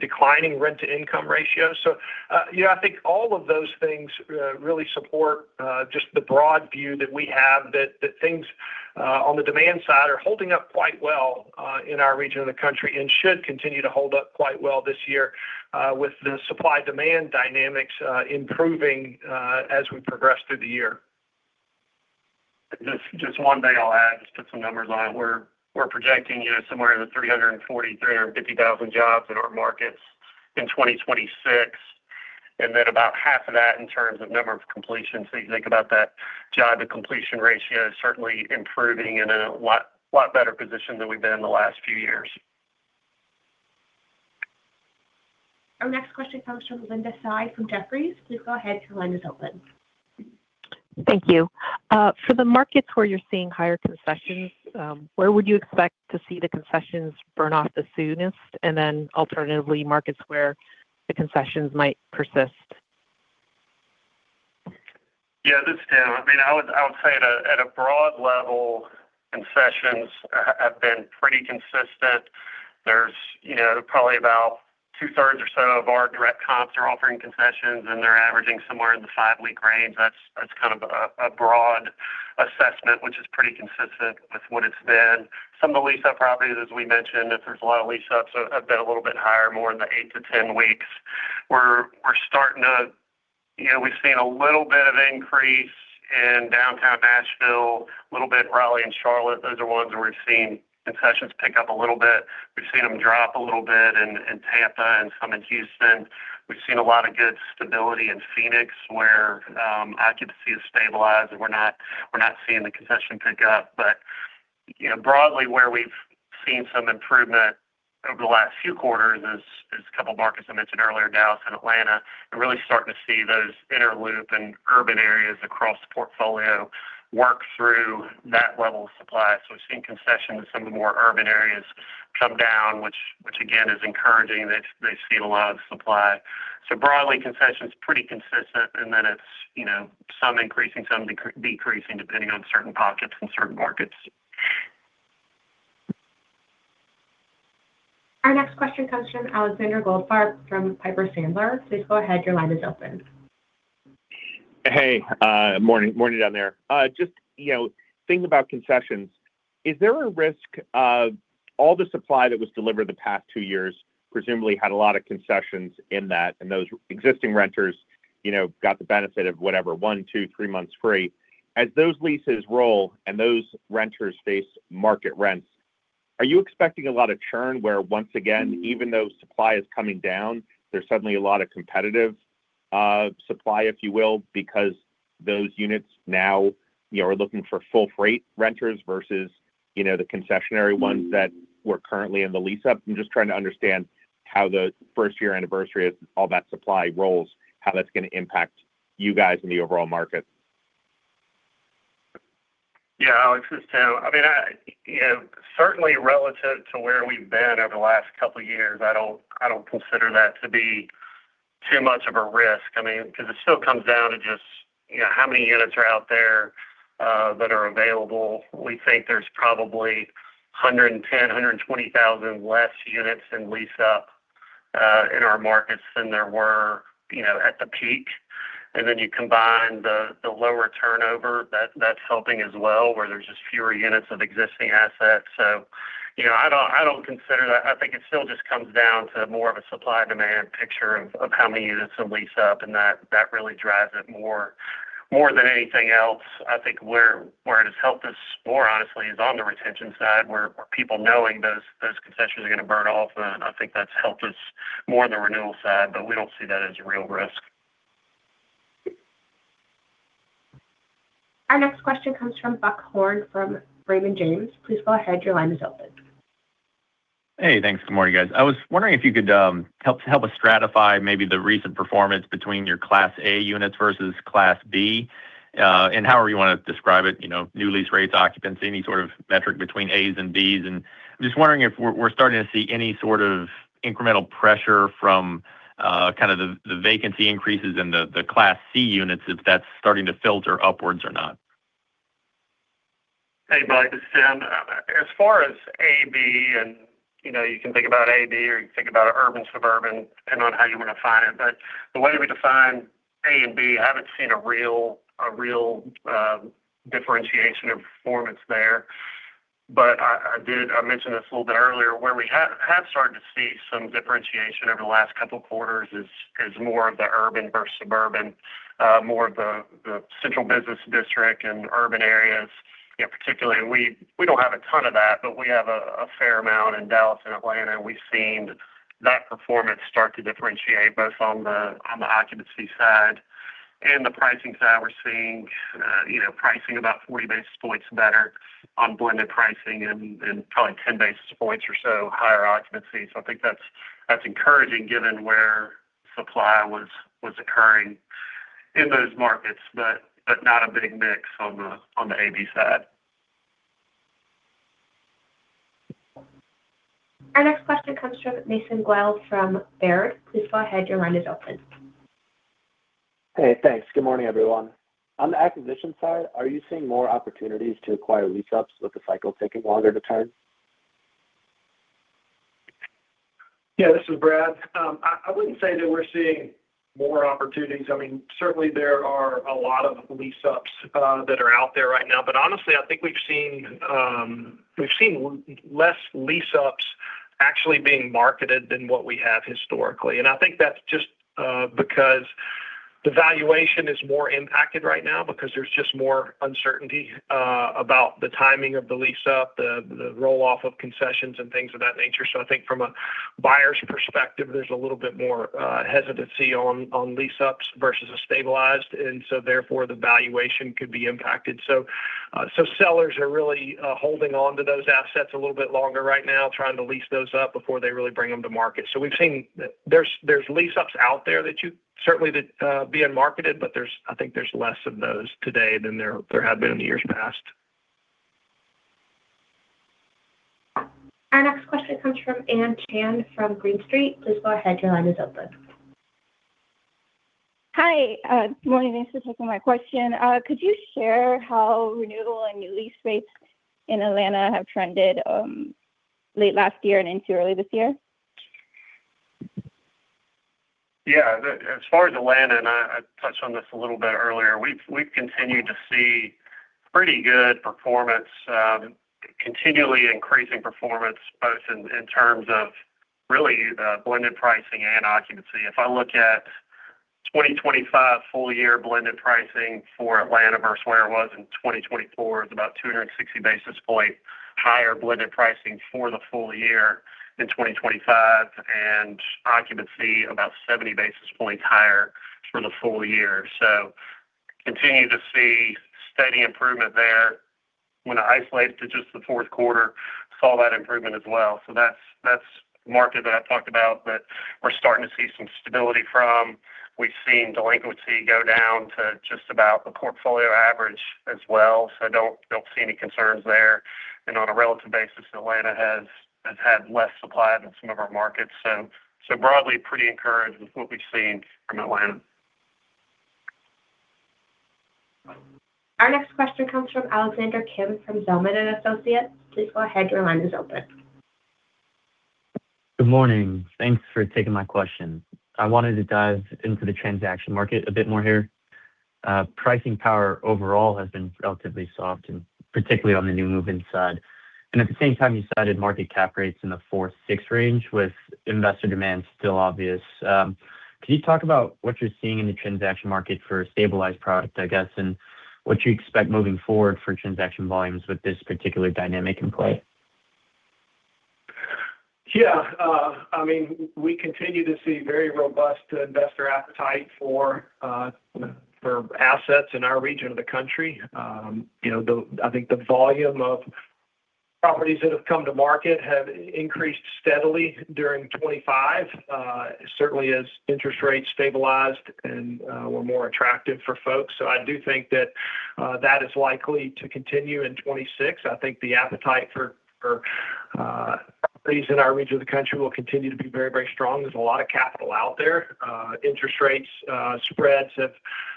declining rent-to-income ratios. So I think all of those things really support just the broad view that we have that things on the demand side are holding up quite well in our region of the country and should continue to hold up quite well this year with the supply-demand dynamics improving as we progress through the year. Just one thing I'll add, just put some numbers on it. We're projecting somewhere in the 340,000, 350,000 jobs in our markets in 2026. And then about half of that in terms of number of completions. So you think about that job-to-completion ratio certainly improving in a lot better position than we've been in the last few years. Our next question comes from Linda Tsai from Jefferies. Please go ahead. Your line is open. Thank you. For the markets where you're seeing higher concessions, where would you expect to see the concessions burn off the soonest? And then alternatively, markets where the concessions might persist? Yeah. This is Tim. I mean, I would say at a broad level, concessions have been pretty consistent. There's probably about 2/3 or so of our direct comps are offering concessions, and they're averaging somewhere in the five week range. That's kind of a broad assessment, which is pretty consistent with what it's been. Some of the lease-up properties, as we mentioned, if there's a lot of lease-ups, have been a little bit higher, more in the eight to 10 weeks. We're starting to we've seen a little bit of increase in downtown Nashville, a little bit in Raleigh and Charlotte. Those are ones where we've seen concessions pick up a little bit. We've seen them drop a little bit in Tampa and some in Houston. We've seen a lot of good stability in Phoenix, where I could see it stabilize, and we're not seeing the concession pick up. But broadly, where we've seen some improvement over the last few quarters is a couple of markets I mentioned earlier, Dallas and Atlanta, and really starting to see those inner-loop and urban areas across the portfolio work through that level of supply. So we've seen concessions in some of the more urban areas come down, which, again, is encouraging. They've seen a lot of supply. So broadly, concessions pretty consistent. And then it's some increasing, some decreasing depending on certain pockets and certain markets. Our next question comes from Alexander Goldfarb from Piper Sandler. Please go ahead. Your line is open. Hey. Morning down there. Just thinking about concessions, is there a risk of all the supply that was delivered the past two years presumably had a lot of concessions in that, and those existing renters got the benefit of whatever, one, two, three months free? As those leases roll and those renters face market rents, are you expecting a lot of churn where, once again, even though supply is coming down, there's suddenly a lot of competitive supply, if you will, because those units now are looking for full-rate renters versus the concessionary ones that were currently in the lease-up? I'm just trying to understand how the first-year anniversary of all that supply rolls, how that's going to impact you guys and the overall market. Yeah. Alex, this is Tim. I mean, certainly relative to where we've been over the last couple of years, I don't consider that to be too much of a risk because it still comes down to just how many units are out there that are available. We think there's probably 110,000, 120,000 less units in lease-up in our markets than there were at the peak. And then you combine the lower turnover, that's helping as well, where there's just fewer units of existing assets. So I don't consider that. I think it still just comes down to more of a supply-demand picture of how many units in lease-up, and that really drives it more than anything else. I think where it has helped us more, honestly, is on the retention side. Where people knowing those concessions are going to burn off, I think that's helped us more on the renewal side, but we don't see that as a real risk. Our next question comes from Buck Horne from Raymond James. Please go ahead. Your line is open. Hey. Thanks. Good morning, guys. I was wondering if you could help us stratify maybe the recent performance between your Class A units versus Class B. And however you want to describe it, new lease rates, occupancy, any sort of metric between A's and B's. And I'm just wondering if we're starting to see any sort of incremental pressure from kind of the vacancy increases in the Class C units, if that's starting to filter upwards or not. Hey, Buck. This is Tim. As far as A, B, and you can think about A, B, or you can think about urban-suburban, depending on how you want to define it. But the way we define A and B, I haven't seen a real differentiation of performance there. But I mentioned this a little bit earlier. Where we have started to see some differentiation over the last couple of quarters is more of the urban versus suburban, more of the central business district and urban areas, particularly. And we don't have a ton of that, but we have a fair amount in Dallas and Atlanta. And we've seen that performance start to differentiate both on the occupancy side and the pricing side. We're seeing pricing about 40 basis points better on blended pricing and probably 10 basis points or so higher occupancy. I think that's encouraging given where supply was occurring in those markets, but not a big mix on the A, B side. Our next question comes from Mason Guell from Baird. Please go ahead. Your line is open. Hey. Thanks. Good morning, everyone. On the acquisition side, are you seeing more opportunities to acquire lease-ups with the cycle taking longer to turn? Yeah. This is Brad. I wouldn't say that we're seeing more opportunities. I mean, certainly, there are a lot of lease-ups that are out there right now. But honestly, I think we've seen less lease-ups actually being marketed than what we have historically. And I think that's just because the valuation is more impacted right now because there's just more uncertainty about the timing of the lease-up, the roll-off of concessions, and things of that nature. So I think from a buyer's perspective, there's a little bit more hesitancy on lease-ups versus a stabilized. And so therefore, the valuation could be impacted. So sellers are really holding on to those assets a little bit longer right now, trying to lease those up before they really bring them to market. So there's lease-ups out there that certainly be unmarketed, but I think there's less of those today than there have been in the years past. Our next question comes from Annie Zhang from Green Street. Please go ahead. Your line is open. Hi. Good morning. Thanks for taking my question. Could you share how renewal and new lease rates in Atlanta have trended late last year and into early this year? Yeah. As far as Atlanta, and I touched on this a little bit earlier, we've continued to see pretty good performance, continually increasing performance both in terms of really blended pricing and occupancy. If I look at 2025 full-year blended pricing for Atlanta versus where it was in 2024, it was about 260 basis points higher blended pricing for the full year in 2025 and occupancy about 70 basis points higher for the full year. So continue to see steady improvement there. When I isolated to just the fourth quarter, saw that improvement as well. So that's the market that I've talked about that we're starting to see some stability from. We've seen delinquency go down to just about the portfolio average as well. So don't see any concerns there. And on a relative basis, Atlanta has had less supply than some of our markets. Broadly, pretty encouraged with what we've seen from Atlanta. Our next question comes from Alexander Kim from Zelman & Associates. Please go ahead. Your line is open. Good morning. Thanks for taking my question. I wanted to dive into the transaction market a bit more here. Pricing power overall has been relatively soft, particularly on the new move-in side. And at the same time, you cited market cap rates in the four to six range with investor demand still obvious. Can you talk about what you're seeing in the transaction market for a stabilized product, I guess, and what you expect moving forward for transaction volumes with this particular dynamic in play? Yeah. I mean, we continue to see very robust investor appetite for assets in our region of the country. I think the volume of properties that have come to market have increased steadily during 2025, certainly as interest rates stabilized and were more attractive for folks. So I do think that that is likely to continue in 2026. I think the appetite for properties in our region of the country will continue to be very, very strong. There's a lot of capital out there. Interest rate spreads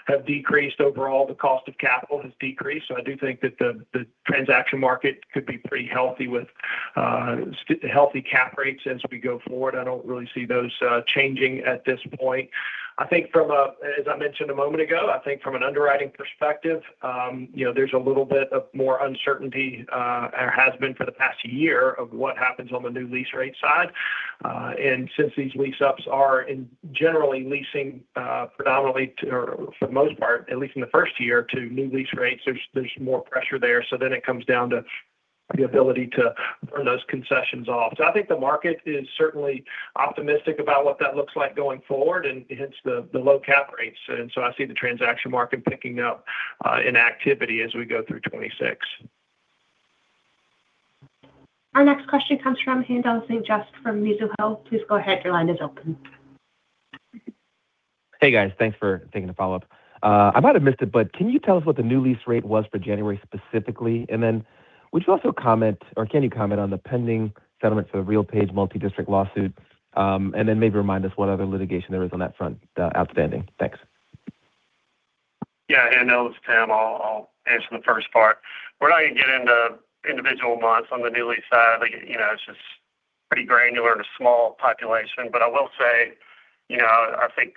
have decreased. Overall, the cost of capital has decreased. So I do think that the transaction market could be pretty healthy with healthy cap rates as we go forward. I don't really see those changing at this point. I think, as I mentioned a moment ago, I think from an underwriting perspective, there's a little bit more uncertainty or has been for the past year of what happens on the new lease rate side. And since these lease-ups are generally leasing predominantly or for the most part, at least in the first year, to new lease rates, there's more pressure there. So then it comes down to the ability to burn those concessions off. So I think the market is certainly optimistic about what that looks like going forward and hence the low cap rates. And so I see the transaction market picking up in activity as we go through 2026. Our next question comes from Haendel St. Juste from Mizuho. Please go ahead. Your line is open. Hey, guys. Thanks for taking the follow-up. I might have missed it, but can you tell us what the new lease rate was for January specifically? And then would you also comment or can you comment on the pending settlement for the RealPage multi-district lawsuit and then maybe remind us what other litigation there is on that front outstanding? Thanks. Haendel, this is Tim. I'll answer the first part. We're not going to get into individual months on the new lease side. It's just pretty granular and a small population. But I will say I think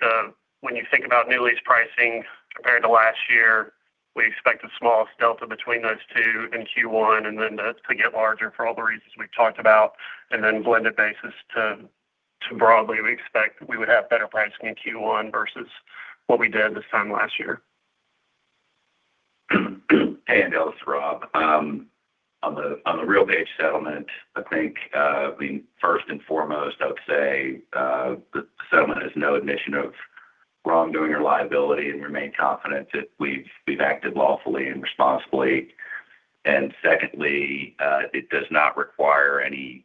when you think about new lease pricing compared to last year, we expect a smallest delta between those two in Q1 and then to get larger for all the reasons we've talked about. And then blended basis too broadly, we expect we would have better pricing in Q1 versus what we did this time last year. Hey, this is Rob. On the RealPage settlement, I think, I mean, first and foremost, I would say the settlement is no admission of wrongdoing or liability, and we remain confident that we've acted lawfully and responsibly. Secondly, it does not require any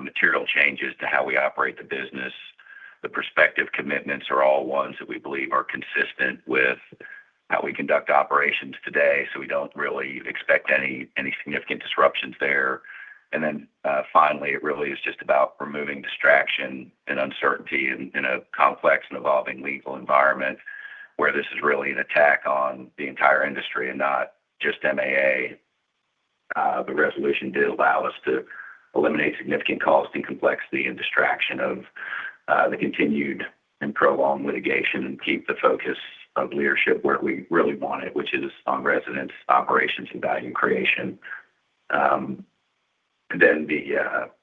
material changes to how we operate the business. The prospective commitments are all ones that we believe are consistent with how we conduct operations today. So we don't really expect any significant disruptions there. Then finally, it really is just about removing distraction and uncertainty in a complex and evolving legal environment where this is really an attack on the entire industry and not just MAA. The resolution did allow us to eliminate significant cost and complexity and distraction of the continued and prolonged litigation and keep the focus of leadership where we really want it, which is on residents, operations, and value creation. And then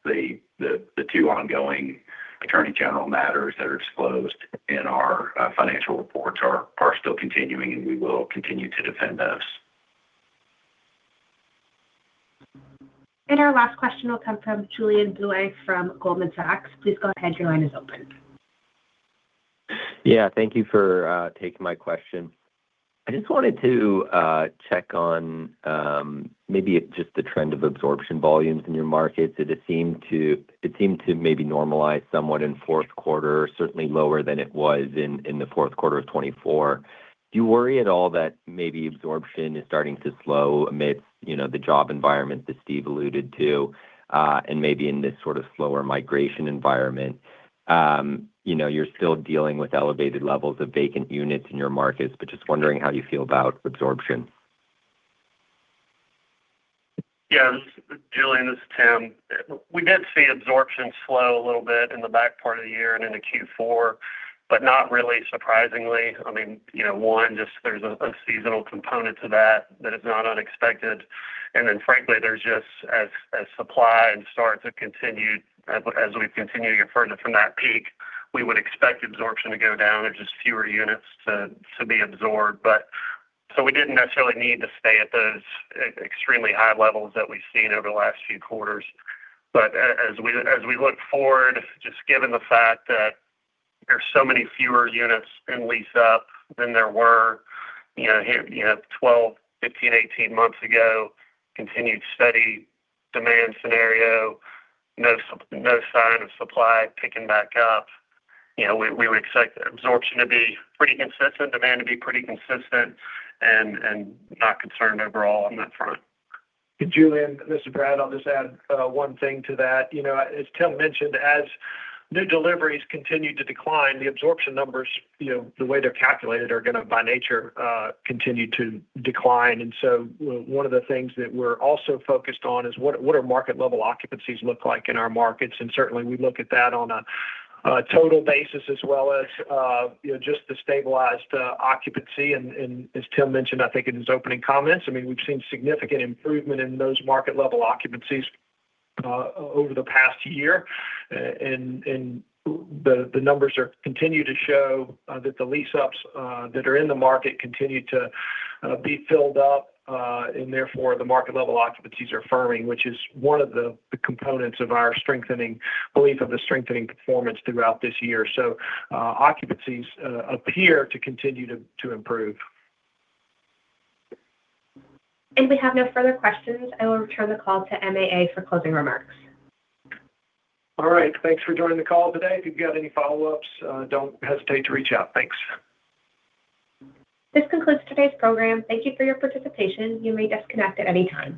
the two ongoing attorney general matters that are disclosed in our financial reports are still continuing, and we will continue to defend those. Our last question will come from Julien Blouin from Goldman Sachs. Please go ahead. Your line is open. Yeah. Thank you for taking my question. I just wanted to check on maybe just the trend of absorption volumes in your markets. It has seemed to maybe normalize somewhat in fourth quarter, certainly lower than it was in the fourth quarter of 2024. Do you worry at all that maybe absorption is starting to slow amidst the job environment that Steve alluded to and maybe in this sort of slower migration environment? You're still dealing with elevated levels of vacant units in your markets, but just wondering how you feel about absorption. Yeah. Julien, this is Tim. We did see absorption slow a little bit in the back part of the year and in the Q4, but not really surprisingly. I mean, one, just there's a seasonal component to that that is not unexpected. And then frankly, there's just as supply and starts have continued as we've continued further from that peak, we would expect absorption to go down. There's just fewer units to be absorbed. So we didn't necessarily need to stay at those extremely high levels that we've seen over the last few quarters. But as we look forward, just given the fact that there's so many fewer units in lease-up than there were 12, 15, 18 months ago, continued steady demand scenario, no sign of supply picking back up, we would expect absorption to be pretty consistent, demand to be pretty consistent, and not concerned overall on that front. Julien, this is Brad, I'll just add one thing to that. As Tim mentioned, as new deliveries continue to decline, the absorption numbers, the way they're calculated, are going to by nature continue to decline. And so one of the things that we're also focused on is what do market-level occupancies look like in our markets? And certainly, we look at that on a total basis as well as just the stabilized occupancy. And as Tim mentioned, I think in his opening comments, I mean, we've seen significant improvement in those market-level occupancies over the past year. And the numbers continue to show that the lease-ups that are in the market continue to be filled up, and therefore, the market-level occupancies are firming, which is one of the components of our belief of the strengthening performance throughout this year. So occupancies appear to continue to improve. We have no further questions. I will return the call to MAA for closing remarks. All right. Thanks for joining the call today. If you've got any follow-ups, don't hesitate to reach out. Thanks. This concludes today's program. Thank you for your participation. You may disconnect at any time.